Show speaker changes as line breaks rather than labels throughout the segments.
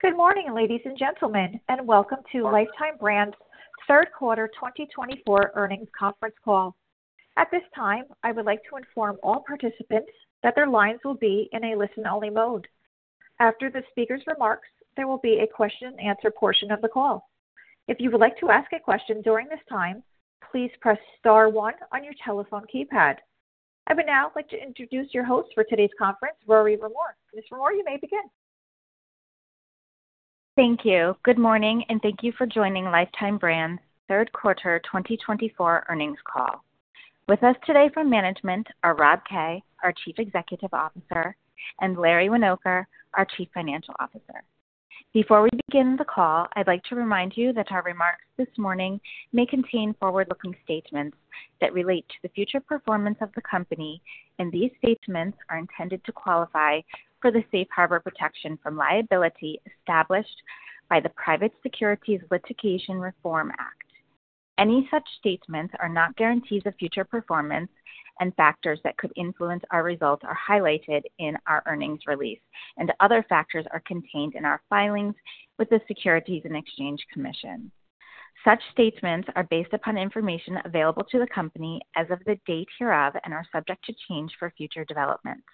Good morning, ladies and gentlemen, and welcome to Lifetime Brands' Third Quarter 2024 Earnings Conference Call. At this time, I would like to inform all participants that their lines will be in a listen-only mode. After the speaker's remarks, there will be a question-and-answer portion of the call. If you would like to ask a question during this time, please press star one on your telephone keypad. I would now like to introduce your host for today's conference, Rory Rumore. Ms. Rumore, you may begin.
Thank you. Good morning, and thank you for joining Lifetime Brands' Third Quarter 2024 Earnings Call. With us today from management are Rob Kay, our Chief Executive Officer, and Larry Winoker, our Chief Financial Officer. Before we begin the call, I'd like to remind you that our remarks this morning may contain forward-looking statements that relate to the future performance of the company, and these statements are intended to qualify for the safe harbor protection from liability established by the Private Securities Litigation Reform Act. Any such statements are not guarantees of future performance, and factors that could influence our result are highlighted in our earnings release, and other factors are contained in our filings with the Securities and Exchange Commission. Such statements are based upon information available to the company as of the date hereof and are subject to change for future developments.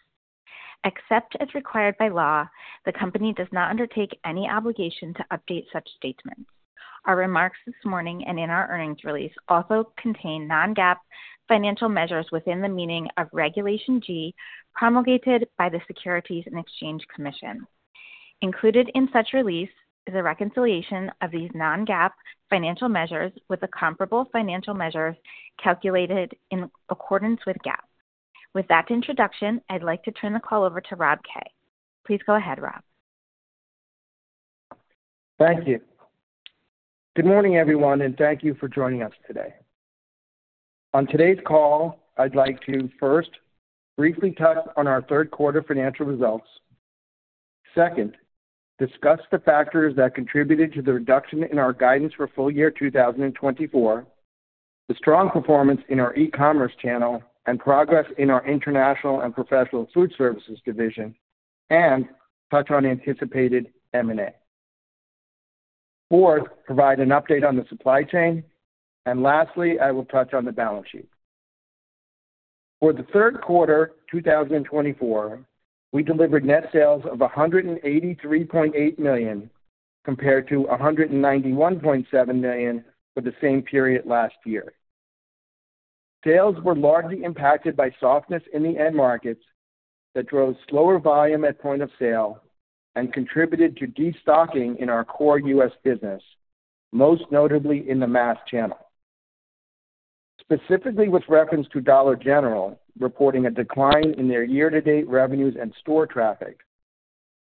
Except as required by law, the company does not undertake any obligation to update such statements. Our remarks this morning and in our earnings release also contain non-GAAP financial measures within the meaning of Regulation G promulgated by the Securities and Exchange Commission. Included in such release is a reconciliation of these non-GAAP financial measures with the comparable financial measures calculated in accordance with GAAP. With that introduction, I'd like to turn the call over to Rob Kay. Please go ahead, Rob.
Thank you. Good morning, everyone, and thank you for joining us today. On today's call, I'd like to first briefly touch on our third quarter financial results. Second, discuss the factors that contributed to the reduction in our guidance for full year 2024, the strong performance in our e-commerce channel, and progress in our international and professional food services division, and touch on anticipated M&A. Fourth, provide an update on the supply chain. And lastly, I will touch on the balance sheet. For the third quarter 2024, we delivered net sales of $183.8 million compared to $191.7 million for the same period last year. Sales were largely impacted by softness in the end markets that drove slower volume at point of sale and contributed to destocking in our core U.S. business, most notably in the mass channel. Specifically, with reference to Dollar General reporting a decline in their year-to-date revenues and store traffic,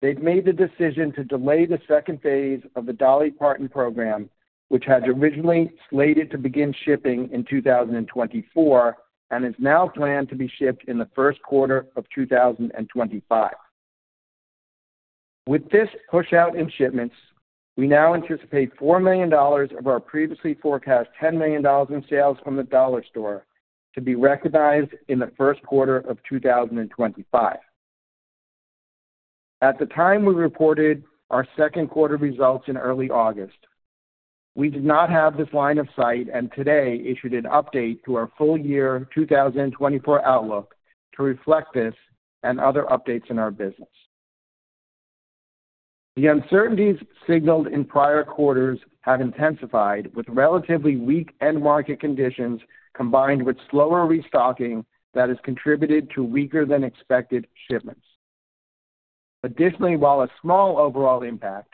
they've made the decision to delay the second phase of the Dolly Parton program, which had originally slated to begin shipping in 2024 and is now planned to be shipped in the first quarter of 2025. With this push out in shipments, we now anticipate $4 million of our previously forecast $10 million in sales from the dollar store to be recognized in the first quarter of 2025. At the time we reported our second quarter results in early August, we did not have this line of sight and today issued an update to our full year 2024 outlook to reflect this and other updates in our business. The uncertainties signaled in prior quarters have intensified with relatively weak end market conditions combined with slower restocking that has contributed to weaker-than-expected shipments. Additionally, while a small overall impact,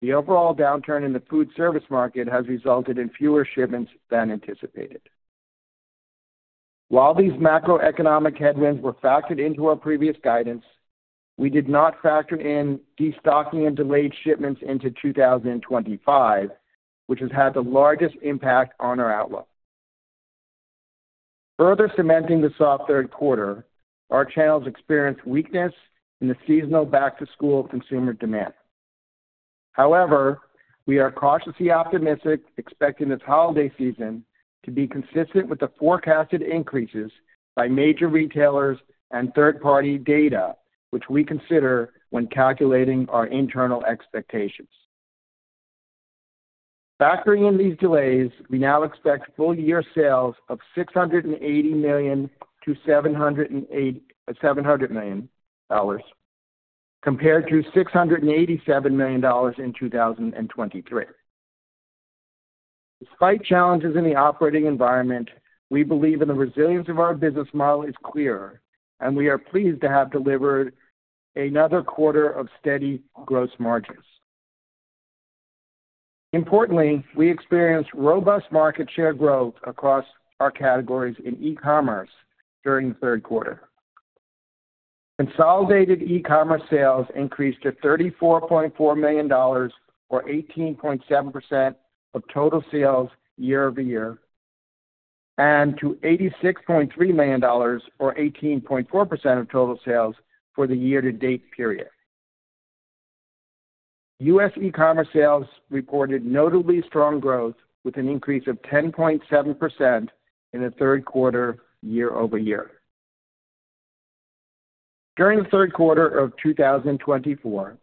the overall downturn in the food service market has resulted in fewer shipments than anticipated. While these macroeconomic headwinds were factored into our previous guidance, we did not factor in destocking and delayed shipments into 2025, which has had the largest impact on our outlook. Further cementing the soft third quarter, our channels experienced weakness in the seasonal back-to-school consumer demand. However, we are cautiously optimistic, expecting this holiday season to be consistent with the forecasted increases by major retailers and third-party data, which we consider when calculating our internal expectations. Factoring in these delays, we now expect full year sales of $680 million-$700 million compared to $687 million in 2023. Despite challenges in the operating environment, we believe in the resilience of our business model is clear, and we are pleased to have delivered another quarter of steady gross margins. Importantly, we experienced robust market share growth across our categories in e-commerce during the third quarter. Consolidated e-commerce sales increased to $34.4 million, or 18.7% of total sales year-over-year, and to $86.3 million, or 18.4% of total sales for the year-to-date period. U.S. e-commerce sales reported notably strong growth with an increase of 10.7% in the third quarter year-over-year. During the third quarter of 2024,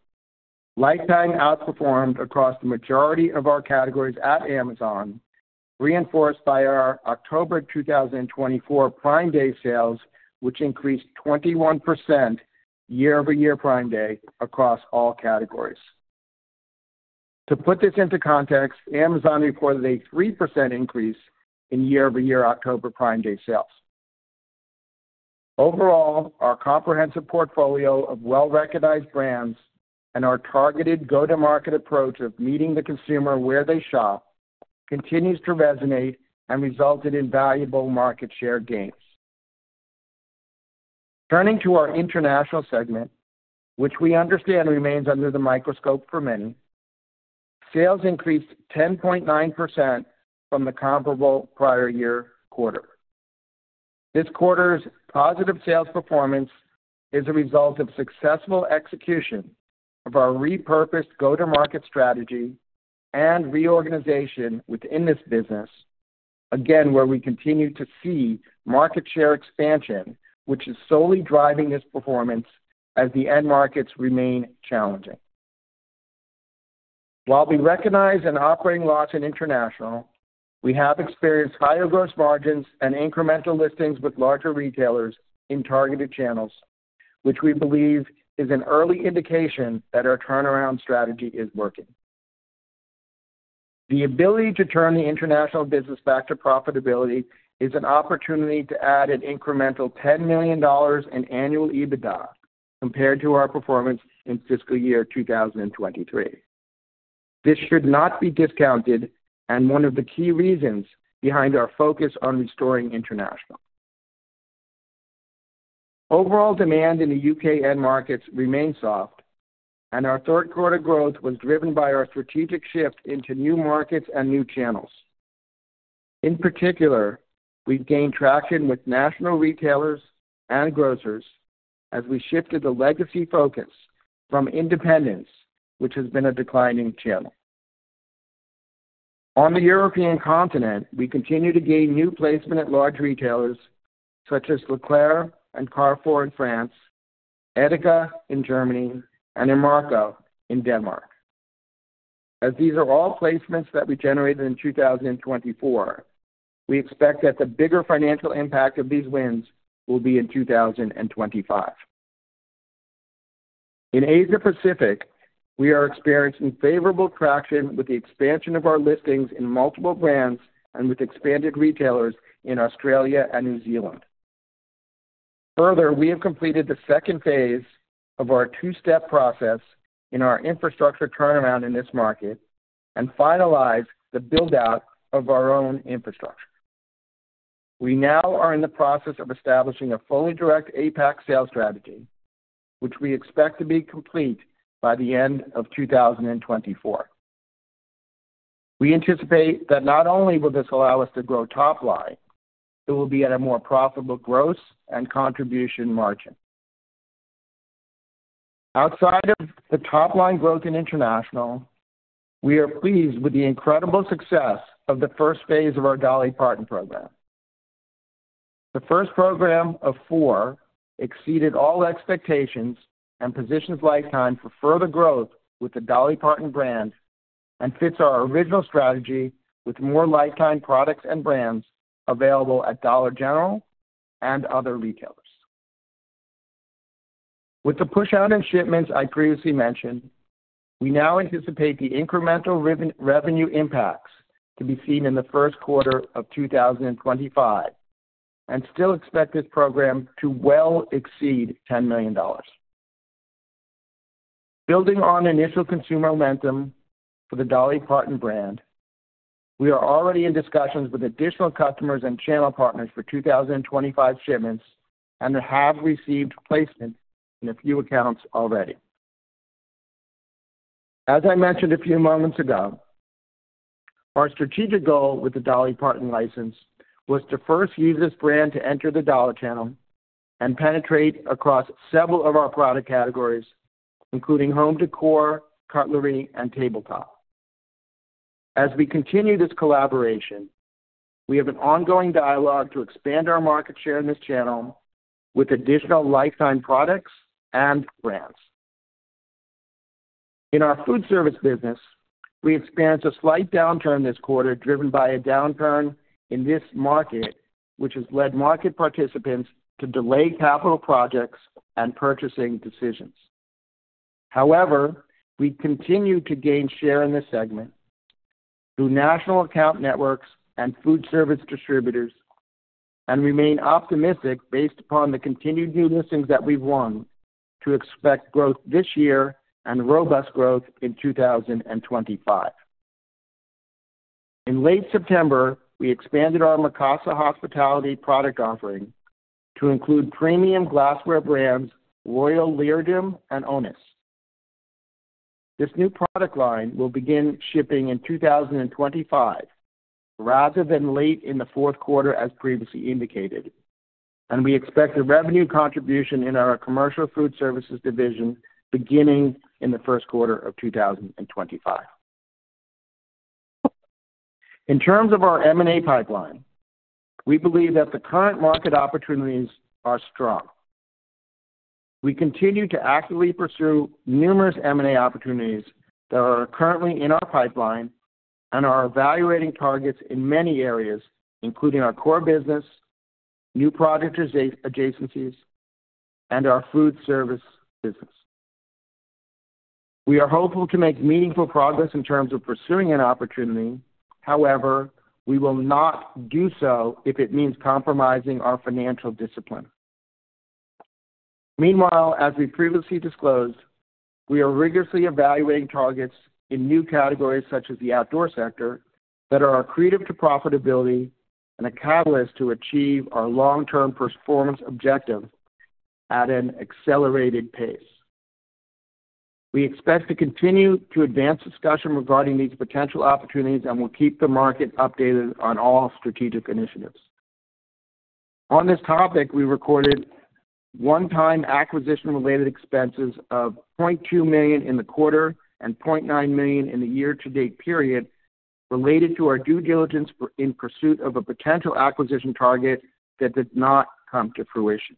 Lifetime outperformed across the majority of our categories at Amazon, reinforced by our October 2024 Prime Day sales, which increased 21% year-over-year Prime Day across all categories. To put this into context, Amazon reported a 3% increase in year-over-year October Prime Day sales. Overall, our comprehensive portfolio of well-recognized brands and our targeted go-to-market approach of meeting the consumer where they shop continues to resonate and resulted in valuable market share gains. Turning to our international segment, which we understand remains under the microscope for many, sales increased 10.9% from the comparable prior year quarter. This quarter's positive sales performance is a result of successful execution of our repurposed go-to-market strategy and reorganization within this business, again where we continue to see market share expansion, which is solely driving this performance as the end markets remain challenging. While we recognize an operating loss in international, we have experienced higher gross margins and incremental listings with larger retailers in targeted channels, which we believe is an early indication that our turnaround strategy is working. The ability to turn the international business back to profitability is an opportunity to add an incremental $10 million in annual EBITDA compared to our performance in fiscal year 2023. This should not be discounted and one of the key reasons behind our focus on restoring international. Overall demand in the U.K. and markets remained soft, and our third quarter growth was driven by our strategic shift into new markets and new channels. In particular, we've gained traction with national retailers and grocers as we shifted the legacy focus from independents, which has been a declining channel. On the European continent, we continue to gain new placement at large retailers such as Leclerc and Carrefour in France, Edeka in Germany, and Imerco in Denmark. As these are all placements that we generated in 2024, we expect that the bigger financial impact of these wins will be in 2025. In Asia-Pacific, we are experiencing favorable traction with the expansion of our listings in multiple brands and with expanded retailers in Australia and New Zealand. Further, we have completed the second phase of our two-step process in our infrastructure turnaround in this market and finalized the build-out of our own infrastructure. We now are in the process of establishing a fully direct APAC sales strategy, which we expect to be complete by the end of 2024. We anticipate that not only will this allow us to grow top-line, it will be at a more profitable gross and contribution margin. Outside of the top-line growth in international, we are pleased with the incredible success of the 1st phase of our Dolly Parton program. The first program of four exceeded all expectations and positions Lifetime for further growth with the Dolly Parton brand and fits our original strategy with more Lifetime products and brands available at Dollar General and other retailers. With the push out in shipments I previously mentioned, we now anticipate the incremental revenue impacts to be seen in the first quarter of 2025 and still expect this program to well exceed $10 million. Building on initial consumer momentum for the Dolly Parton brand, we are already in discussions with additional customers and channel partners for 2025 shipments and have received placement in a few accounts already. As I mentioned a few moments ago, our strategic goal with the Dolly Parton license was to first use this brand to enter the dollar channel and penetrate across several of our product categories, including home decor, cutlery, and tabletop. As we continue this collaboration, we have an ongoing dialogue to expand our market share in this channel with additional Lifetime products and brands. In our food service business, we experienced a slight downturn this quarter driven by a downturn in this market, which has led market participants to delay capital projects and purchasing decisions. However, we continue to gain share in this segment through national account networks and food service distributors and remain optimistic based upon the continued new listings that we've won to expect growth this year and robust growth in 2025. In late September, we expanded our Mikasa hospitality product offering to include premium glassware brands Royal Leerdam and ONIS. This new product line will begin shipping in 2025 rather than late in the fourth quarter, as previously indicated, and we expect a revenue contribution in our commercial food services division beginning in the first quarter of 2025. In terms of our M&A pipeline, we believe that the current market opportunities are strong. We continue to actively pursue numerous M&A opportunities that are currently in our pipeline and are evaluating targets in many areas, including our core business, new project adjacencies, and our food service business. We are hopeful to make meaningful progress in terms of pursuing an opportunity. However, we will not do so if it means compromising our financial discipline. Meanwhile, as we previously disclosed, we are rigorously evaluating targets in new categories such as the outdoor sector that are accretive to profitability and a catalyst to achieve our long-term performance objective at an accelerated pace. We expect to continue to advance discussion regarding these potential opportunities and will keep the market updated on all strategic initiatives. On this topic, we recorded one-time acquisition-related expenses of $0.2 million in the quarter and $0.9 million in the year-to-date period related to our due diligence in pursuit of a potential acquisition target that did not come to fruition.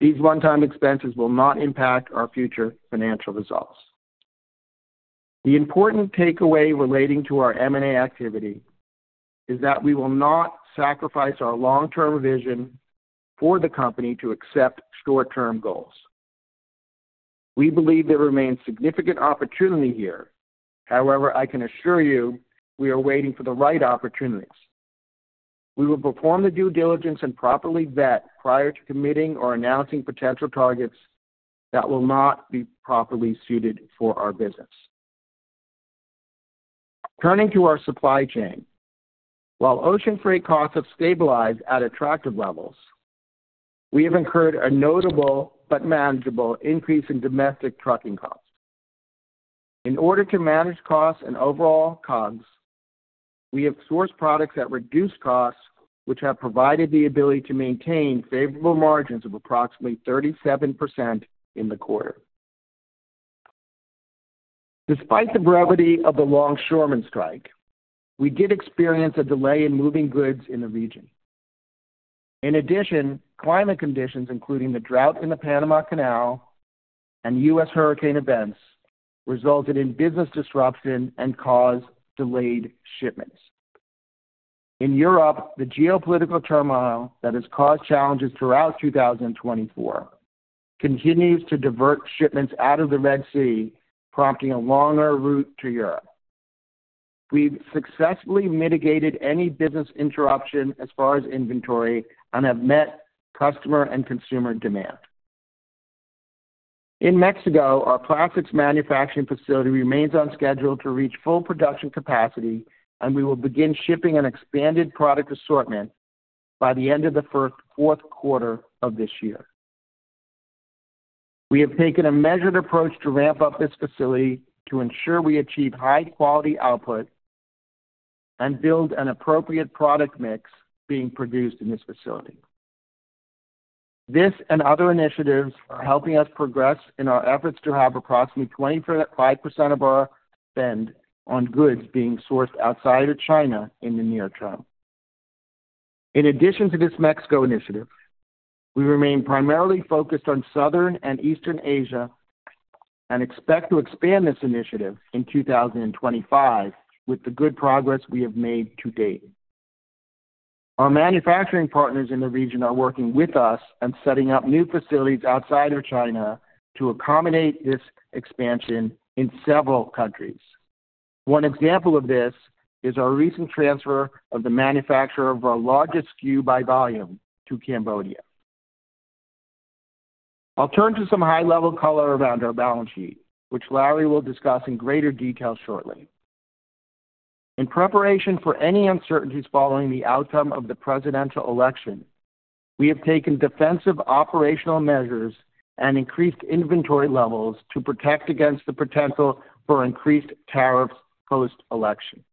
These one-time expenses will not impact our future financial results. The important takeaway relating to our M&A activity is that we will not sacrifice our long-term vision for the company to accept short-term goals. We believe there remains significant opportunity here. However, I can assure you we are waiting for the right opportunities. We will perform the due diligence and properly vet prior to committing or announcing potential targets that will not be properly suited for our business. Turning to our supply chain, while ocean freight costs have stabilized at attractive levels, we have incurred a notable but manageable increase in domestic trucking costs. In order to manage costs and overall COGS, we have sourced products at reduced costs, which have provided the ability to maintain favorable margins of approximately 37% in the quarter. Despite the brevity of the longshoreman strike, we did experience a delay in moving goods in the region. In addition, climate conditions, including the drought in the Panama Canal and U.S. hurricane events, resulted in business disruption and caused delayed shipments. In Europe, the geopolitical turmoil that has caused challenges throughout 2024 continues to divert shipments out of the Red Sea, prompting a longer route to Europe. We've successfully mitigated any business interruption as far as inventory and have met customer and consumer demand. In Mexico, our plastics manufacturing facility remains on schedule to reach full production capacity, and we will begin shipping an expanded product assortment by the end of the fourth quarter of this year. We have taken a measured approach to ramp up this facility to ensure we achieve high-quality output and build an appropriate product mix being produced in this facility. This and other initiatives are helping us progress in our efforts to have approximately 25% of our spend on goods being sourced outside of China in the near term. In addition to this Mexico initiative, we remain primarily focused on Southern and Eastern Asia and expect to expand this initiative in 2025 with the good progress we have made to date. Our manufacturing partners in the region are working with us and setting up new facilities outside of China to accommodate this expansion in several countries. One example of this is our recent transfer of the manufacturer of our largest SKU by volume to Cambodia. I'll turn to some high-level color around our balance sheet, which Larry will discuss in greater detail shortly. In preparation for any uncertainties following the outcome of the presidential election, we have taken defensive operational measures and increased inventory levels to protect against the potential for increased tariffs post-election.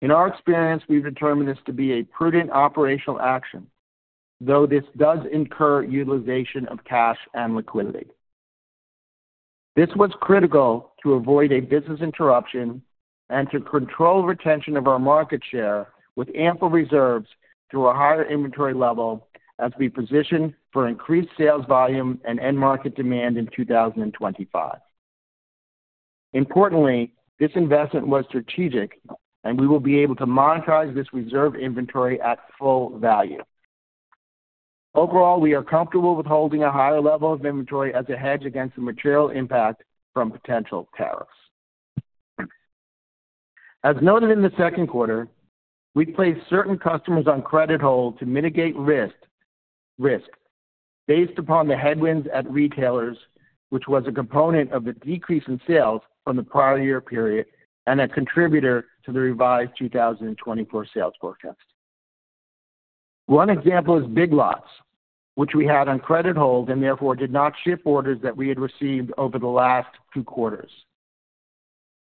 In our experience, we've determined this to be a prudent operational action, though this does incur utilization of cash and liquidity. This was critical to avoid a business interruption and to control retention of our market share with ample reserves through a higher inventory level as we position for increased sales volume and end market demand in 2025. Importantly, this investment was strategic, and we will be able to monetize this reserve inventory at full value. Overall, we are comfortable with holding a higher level of inventory as a hedge against the material impact from potential tariffs. As noted in the second quarter, we placed certain customers on credit hold to mitigate risk based upon the headwinds at retailers, which was a component of the decrease in sales from the prior year period and a contributor to the revised 2024 sales forecast. One example is Big Lots, which we had on credit hold and therefore did not ship orders that we had received over the last two quarters.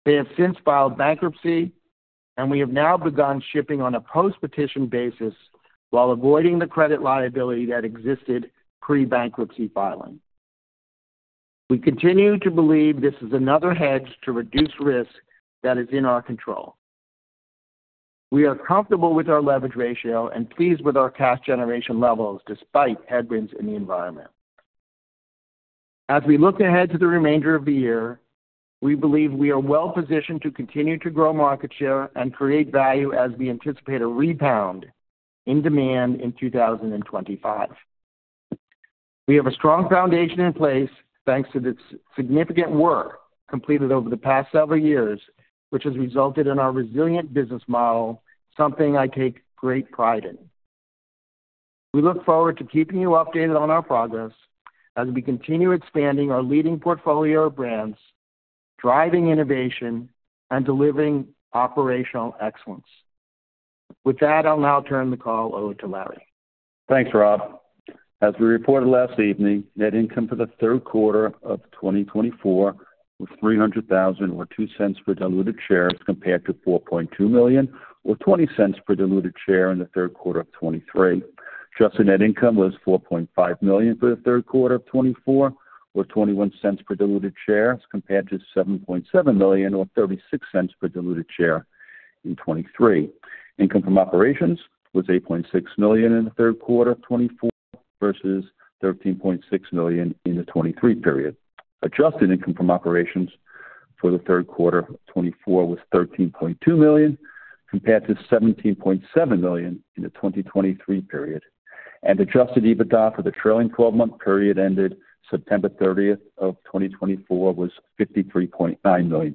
They have since filed bankruptcy, and we have now begun shipping on a post-petition basis while avoiding the credit liability that existed pre-bankruptcy filing. We continue to believe this is another hedge to reduce risk that is in our control. We are comfortable with our leverage ratio and pleased with our cash generation levels despite headwinds in the environment. As we look ahead to the remainder of the year, we believe we are well positioned to continue to grow market share and create value as we anticipate a rebound in demand in 2025. We have a strong foundation in place thanks to the significant work completed over the past several years, which has resulted in our resilient business model, something I take great pride in. We look forward to keeping you updated on our progress as we continue expanding our leading portfolio of brands, driving innovation, and delivering operational excellence. With that, I'll now turn the call over to Larry.
Thanks, Rob. As we reported last evening, net income for the third quarter of 2024 was $300,000 or $0.02 per diluted share as compared to $4.2 million or $0.20 per diluted share in the third quarter of 2023. Adjusted net income was $4.5 million for the third quarter of 2024 or $0.21 per diluted share as compared to $7.7 million or $0.36 per diluted share in 2023. Income from operations was $8.6 million in the third quarter of 2024 versus $13.6 million in the 2023 period. Adjusted income from operations for the third quarter of 2024 was $13.2 million compared to $17.7 million in the 2023 period. Adjusted EBITDA for the trailing 12-month period ended September 30th of 2024 was $53.9 million.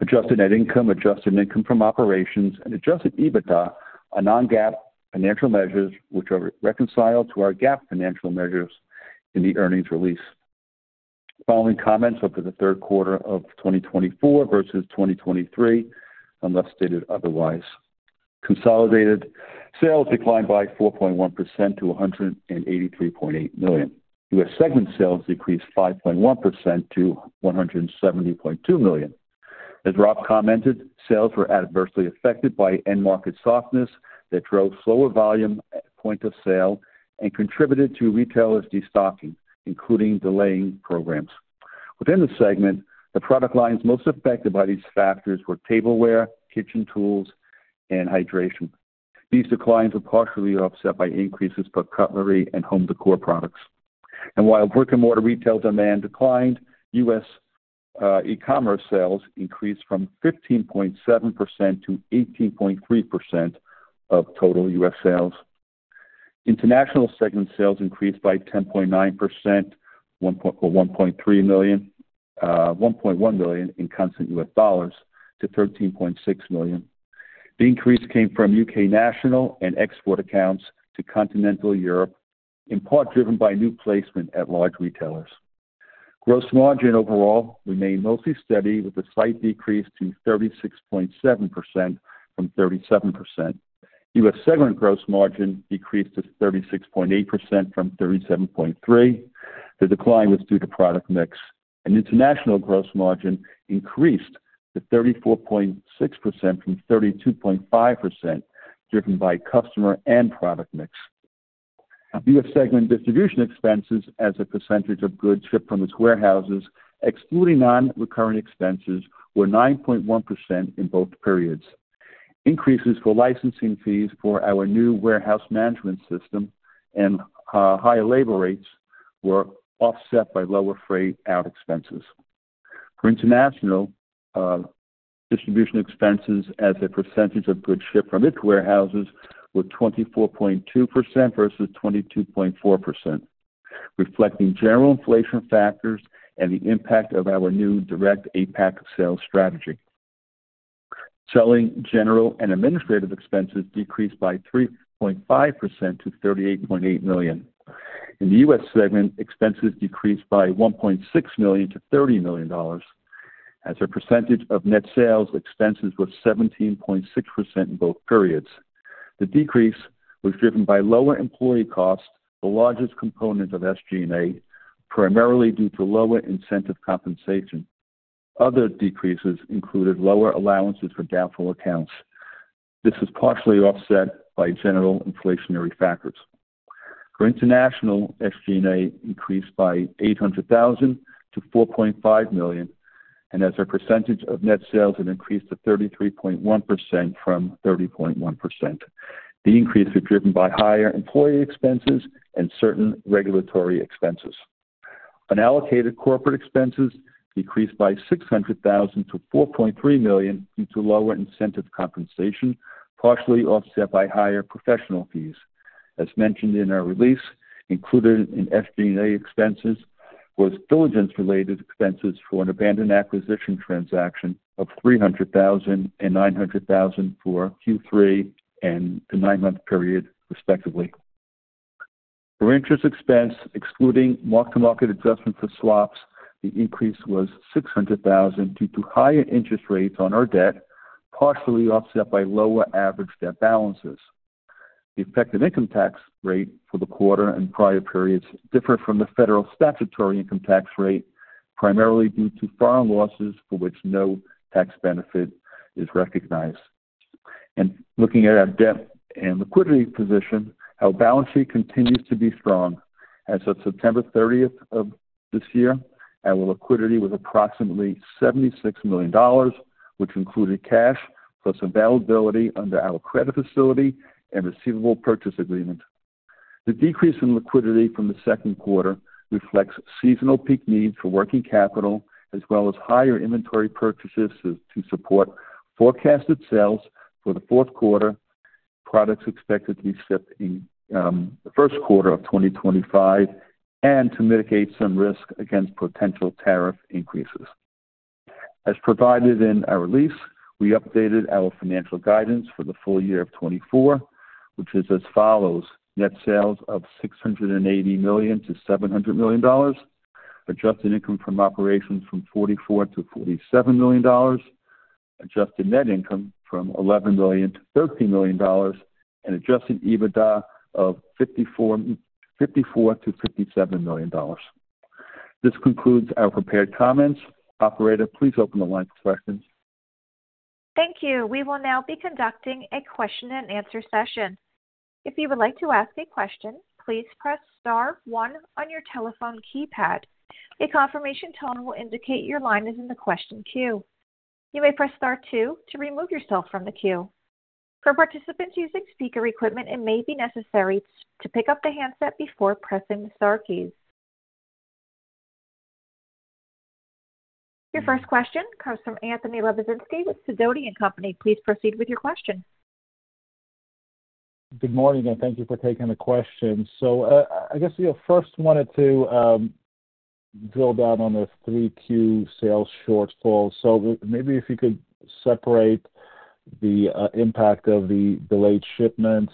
Adjusted net income, adjusted income from operations, and adjusted EBITDA are non-GAAP financial measures, which are reconciled to our GAAP financial measures in the earnings release. Following comments over the third quarter of 2024 versus 2023, unless stated otherwise, consolidated sales declined by 4.1% to $183.8 million. U.S. segment sales decreased 5.1% to $170.2 million. As Rob commented, sales were adversely affected by end market softness that drove slower volume at point of sale and contributed to retailers' destocking, including delaying programs. Within the segment, the product lines most affected by these factors were tableware, kitchen tools, and hydration. These declines were partially offset by increases for cutlery and home decor products. And while brick-and-mortar retail demand declined, U.S. e-commerce sales increased from 15.7% to 18.3% of total U.S. sales. International segment sales increased by 10.9% or $1.1 million in constant U.S. dollars to $13.6 million. The increase came from U.K. national and export accounts to continental Europe, in part driven by new placement at large retailers. Gross margin overall remained mostly steady with a slight decrease to 36.7% from 37%. U.S. segment gross margin decreased to 36.8% from 37.3%. The decline was due to product mix. International gross margin increased to 34.6% from 32.5%, driven by customer and product mix. U.S. segment distribution expenses as a percentage of goods shipped from its warehouses, excluding non-recurring expenses, were 9.1% in both periods. Increases for licensing fees for our new warehouse management system and higher labor rates were offset by lower freight out expenses. For international distribution expenses, as a percentage of goods shipped from its warehouses, were 24.2% versus 22.4%, reflecting general inflation factors and the impact of our new direct APAC sales strategy. Selling general and administrative expenses decreased by 3.5% to $38.8 million. In the U.S. segment, expenses decreased by $1.6 million to $30 million, as a percentage of net sales expenses was 17.6% in both periods. The decrease was driven by lower employee costs, the largest component of SG&A, primarily due to lower incentive compensation. Other decreases included lower allowances for doubtful accounts. This was partially offset by general inflationary factors. For international, SG&A increased by $800,000-$4.5 million, and as a percentage of net sales, it increased to 33.1% from 30.1%. The increase was driven by higher employee expenses and certain regulatory expenses. Unallocated corporate expenses decreased by $600,000-$4.3 million due to lower incentive compensation, partially offset by higher professional fees. As mentioned in our release, included in SG&A expenses was diligence-related expenses for an abandoned acquisition transaction of $300,000 and $900,000 for Q3 and the nine-month period, respectively. For interest expense, excluding mark-to-market adjustment for swaps, the increase was $600,000 due to higher interest rates on our debt, partially offset by lower average debt balances. The effective income tax rate for the quarter and prior periods differed from the federal statutory income tax rate, primarily due to foreign losses for which no tax benefit is recognized. Looking at our debt and liquidity position, our balance sheet continues to be strong. As of September 30th of this year, our liquidity was approximately $76 million, which included cash plus availability under our credit facility and receivable purchase agreement. The decrease in liquidity from the second quarter reflects seasonal peak needs for working capital, as well as higher inventory purchases to support forecasted sales for the fourth quarter, products expected to be shipped in the first quarter of 2025, and to mitigate some risk against potential tariff increases. As provided in our release, we updated our financial guidance for the full year of 2024, which is as follows: net sales of $680-$700 million, adjusted income from operations of $44-$47 million, adjusted net income of $11-$13 million, and adjusted EBITDA of $54-$57 million. This concludes our prepared comments. Operator, please open the line for questions.
Thank you. We will now be conducting a question-and-answer session. If you would like to ask a question, please press Star 1 on your telephone keypad. A confirmation tone will indicate your line is in the question queue. You may press Star two to remove yourself from the queue. For participants using speaker equipment, it may be necessary to pick up the handset before pressing the Star keys. Your first question comes from Anthony Lebiedzinski with Sidoti & Company. Please proceed with your question.
Good morning, and thank you for taking the question. So I guess we first wanted to drill down on the Q3 sales shortfall. So maybe if you could separate the impact of the delayed shipments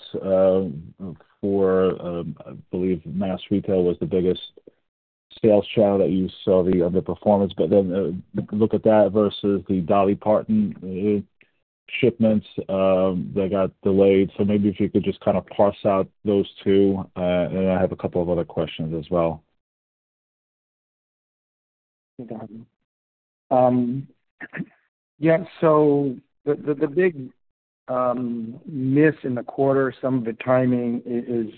for, I believe, mass retail was the biggest sales channel that you saw the underperformance, but then look at that versus the Dolly Parton shipments that got delayed. So maybe if you could just kind of parse out those two. And I have a couple of other questions as well.
Yeah. So the big miss in the quarter, some of the timing is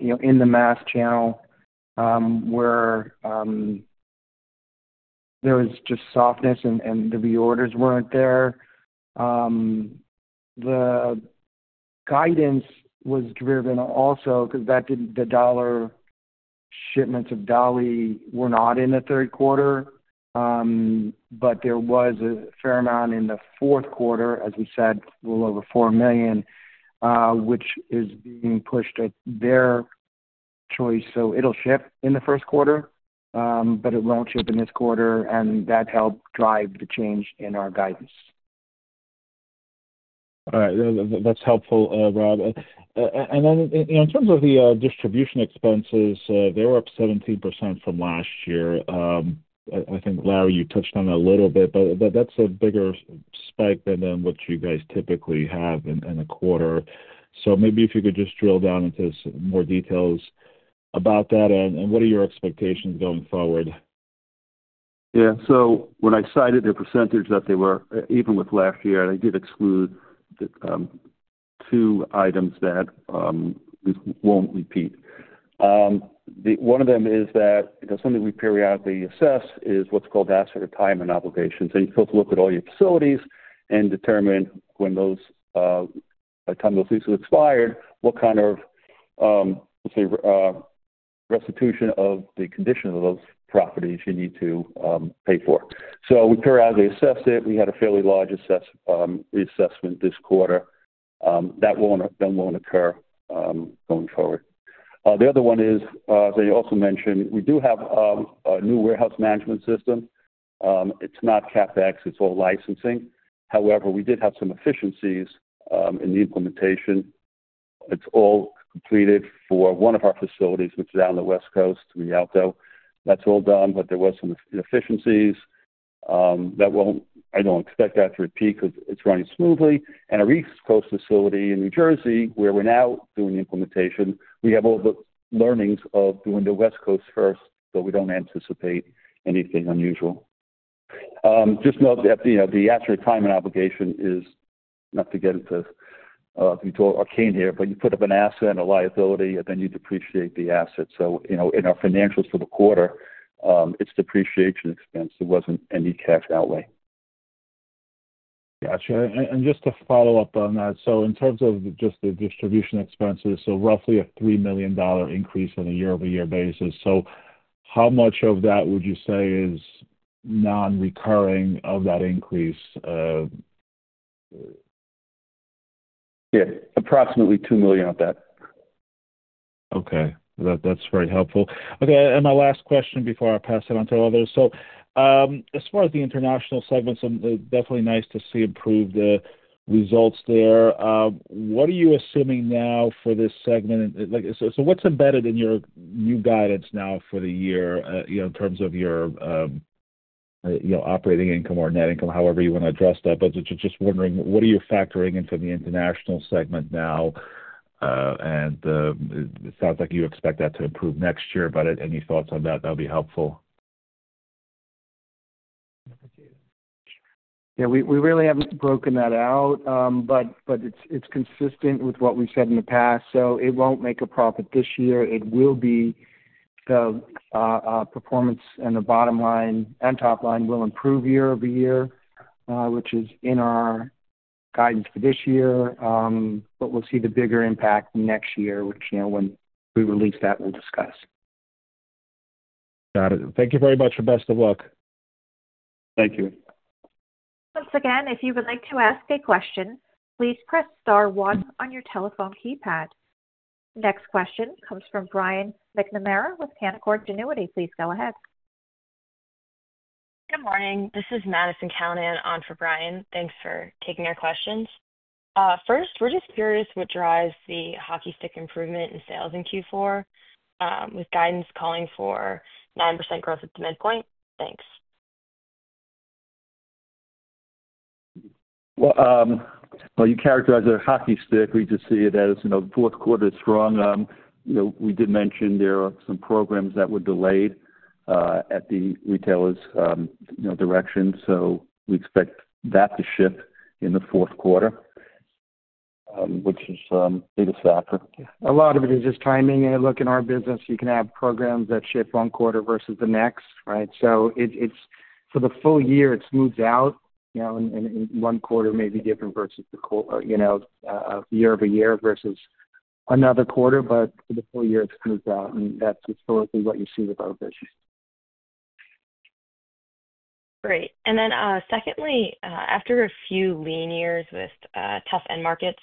in the mass channel where there was just softness and the reorders weren't there. The guidance was driven also because the Dolly shipments of Dolly were not in the third quarter, but there was a fair amount in the fourth quarter, as we said, a little over $4 million, which is being pushed at their choice. So it'll ship in the first quarter, but it won't ship in this quarter, and that helped drive the change in our guidance. All right. That's helpful, Rob. And then in terms of the distribution expenses, they were up 17% from last year. I think, Larry, you touched on it a little bit, but that's a bigger spike than what you guys typically have in a quarter. So maybe if you could just drill down into more details about that and what are your expectations going forward?
Yeah. So when I cited the percentage that they were, even with last year, they did exclude two items that we won't repeat. One of them is that something we periodically assess is what's called Asset Retirement Obligations. You're supposed to look at all your facilities and determine when those leases expired, what kind of, let's say, restoration of the condition of those properties you need to pay for. So we periodically assess it. We had a fairly large reassessment this quarter. That won't occur going forward. The other one is, as I also mentioned, we do have a new warehouse management system. It's not CapEx. It's all licensing. However, we did have some inefficiencies in the implementation. It's all completed for one of our facilities, which is down the West Coast, Rialto. That's all done, but there were some inefficiencies. I don't expect that to repeat because it's running smoothly. And our East Coast facility in New Jersey, where we're now doing the implementation, we have all the learnings of doing the West Coast first, but we don't anticipate anything unusual. Just note that the asset retirement obligation is not to get into detail or came here, but you put up an asset and a liability, and then you depreciate the asset. So in our financials for the quarter, it's depreciation expense. There wasn't any cash outlay.
Gotcha. And just to follow up on that, in terms of just the distribution expenses, roughly a $3 million increase on a year-over-year basis. So how much of that would you say is non-recurring of that increase?
Yeah. Approximately $2 million of that.
Okay. That's very helpful. Okay. And my last question before I pass it on to others. As far as the international segments, definitely nice to see improved results there. What are you assuming now for this segment? So what's embedded in your new guidance now for the year in terms of your operating income or net income, however you want to address that? But just wondering, what are you factoring into the international segment now? And it sounds like you expect that to improve next year, but any thoughts on that? That would be helpful.
Yeah. We really haven't broken that out, but it's consistent with what we've said in the past. So it won't make a profit this year. It will be the performance and the bottom line and top line will improve year-over-year, which is in our guidance for this year. But we'll see the bigger impact next year, which when we release that, we'll discuss.
Got it. Thank you very much. Best of luck. Thank you.
Once again, if you would like to ask a question, please press Star one on your telephone keypad. Next question comes from Brian McNamara with Canaccord Genuity. Please go ahead.
Good morning. This is Madison Callinan, on for Brian. Thanks for taking our questions. First, we're just curious what drives the hockey stick improvement in sales in Q4 with guidance calling for 9% growth at the midpoint? Thanks.
Well, you characterize the hockey stick. We just see it as the fourth quarter is strong. We did mention there are some programs that were delayed at the retailer's direction. So we expect that to shift in the fourth quarter, which is a biggest factor. A lot of it is just timing. And look, in our business, you can have programs that shift one quarter versus the next, right? So for the full year, it smooths out. One quarter may be different versus the year-over-year versus another quarter. But for the full year, it smooths out. And that's historically what you see with our business.
Great. And then secondly, after a few lean years with tough end markets,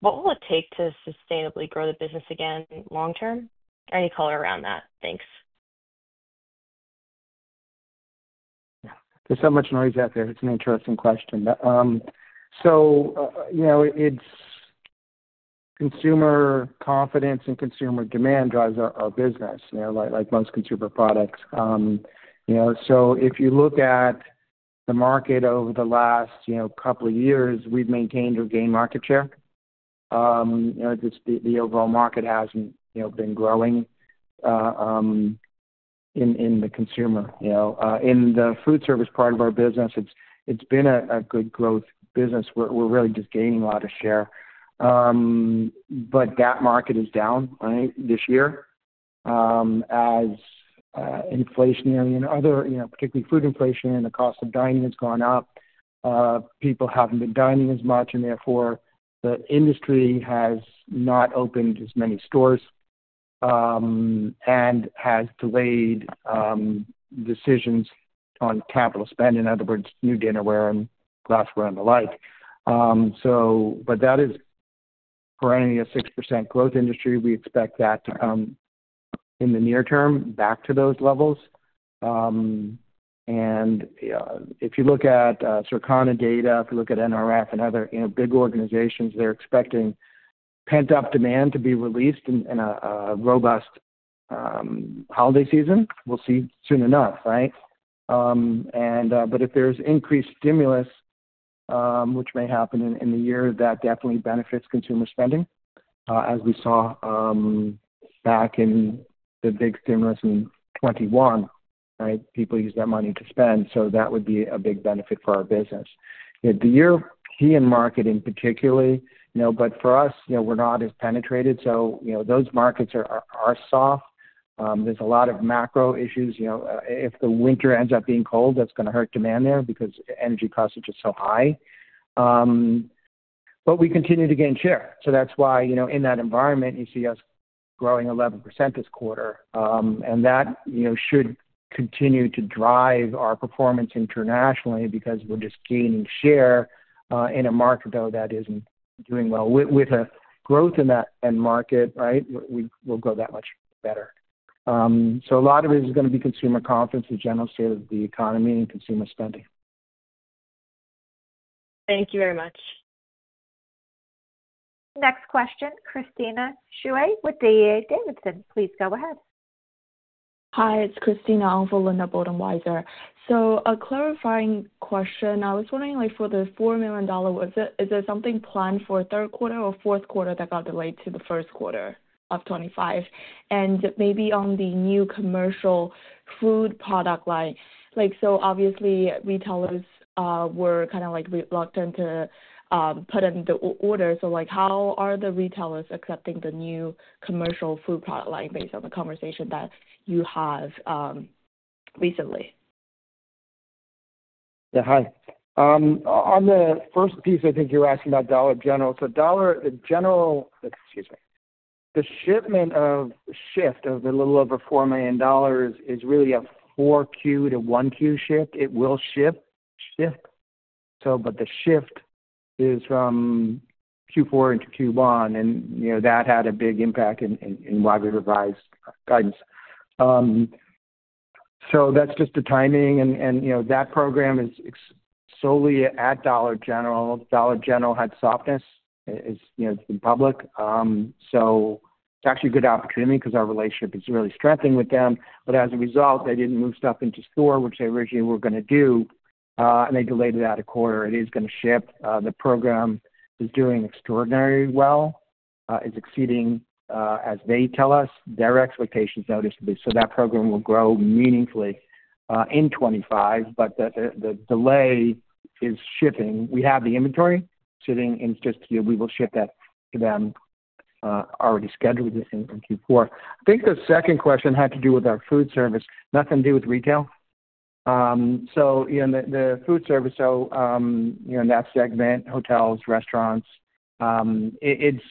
what will it take to sustainably grow the business again long-term? Any color around that? Thanks.
There's so much noise out there. It's an interesting question. So it's consumer confidence and consumer demand drives our business, like most consumer products. So if you look at the market over the last couple of years, we've maintained or gained market share. The overall market hasn't been growing in the consumer. In the food service part of our business, it's been a good growth business. We're really just gaining a lot of share. But that market is down this year as inflationary and other, particularly food inflation, and the cost of dining has gone up. People haven't been dining as much, and therefore, the industry has not opened as many stores and has delayed decisions on capital spend. In other words, new dinnerware and glassware and the like. But that is, for any 6% growth industry, we expect that in the near term back to those levels. And if you look at Circana data, if you look at NRF and other big organizations, they're expecting pent-up demand to be released in a robust holiday season. We'll see soon enough, right? But if there's increased stimulus, which may happen in the year, that definitely benefits consumer spending, as we saw back in the big stimulus in 2021, right? People used that money to spend. So that would be a big benefit for our business. The U.K. key in market, in particular, but for us, we're not as penetrated. So those markets are soft. There's a lot of macro issues. If the winter ends up being cold, that's going to hurt demand there because energy costs are just so high. But we continue to gain share. So that's why in that environment, you see us growing 11% this quarter. And that should continue to drive our performance internationally because we're just gaining share in a market, though, that isn't doing well. With a growth in that end market, right, we'll grow that much better. So a lot of it is going to be consumer confidence, the general state of the economy, and consumer spending.
Thank you very much.
Next question, Christina Xue with D.A. Davidson. Please go ahead.
Hi. It's Christina under Linda Bolton Weiser. So a clarifying question. I was wondering, for the $4 million, is there something planned for third quarter or fourth quarter that got delayed to the first quarter of 2025? And maybe on the new commercial food product line, so obviously, retailers were kind of reluctant to put in the order. So how are the retailers accepting the new commercial food product line based on the conversation that you have recently?
Yeah. Hi. On the first piece, I think you're asking about Dollar General. So Dollar General, excuse me, the shipment of shift of a little over $4 million is really a 4Q to 1Q shift. It will shift, but the shift is from Q4 into Q1. And that had a big impact in why we revised guidance. So that's just the timing. And that program is solely at Dollar General. Dollar General had softness. It's been public. So it's actually a good opportunity because our relationship is really strengthening with them. But as a result, they didn't move stuff into store, which they originally were going to do, and they delayed it out a quarter. It is going to shift. The program is doing extraordinarily well. It's exceeding, as they tell us, their expectations noticeably. So that program will grow meaningfully in 2025, but the delay is shifting. We have the inventory sitting, and it's just we will ship that to them already scheduled in Q4. I think the second question had to do with our food service. Nothing to do with retail. So the food service, so in that segment, hotels, restaurants, it's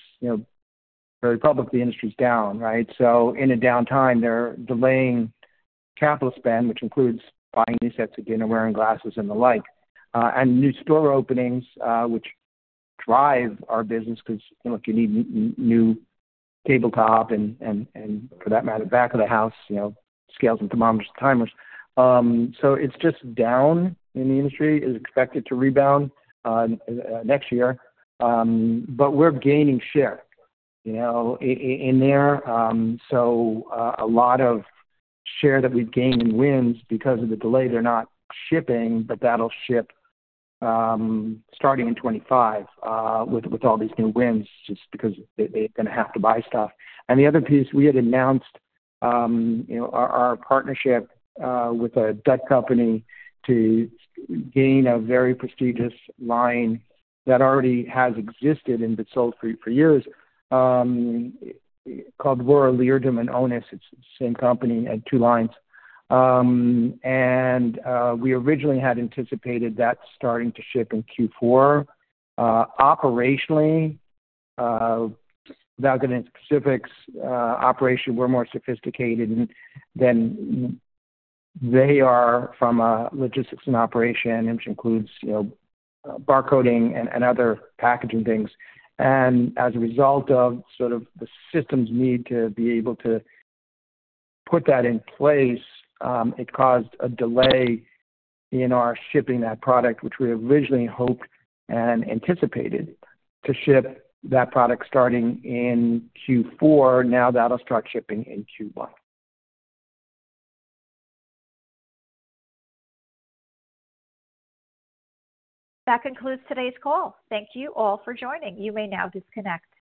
very public. The industry's down, right? In a downtime, they're delaying capital spend, which includes buying new sets of dinnerware and glassware, and the like, and new store openings, which drive our business because you need new tabletop and, for that matter, back of the house, scales and thermometers and timers. It's just down in the industry. It is expected to rebound next year. We're gaining share in there. A lot of share that we've gained in wins because of the delay, they're not shipping, but that'll ship starting in 2025 with all these new wins just because they're going to have to buy stuff. The other piece, we had announced our partnership with a Dutch company to gain a very prestigious line that already has existed and been sold for years called Royal Leerdam and Onis. It's the same company and two lines. We originally had anticipated that starting to ship in Q4. Operationally, our APAC operation, we're more sophisticated than they are from a logistics and operation, which includes barcoding and other packaging things. As a result of sort of the system's need to be able to put that in place, it caused a delay in our shipping that product, which we originally hoped and anticipated to ship that product starting in Q4. Now that'll start shipping in Q1.
That concludes today's call. Thank you all for joining. You may now disconnect.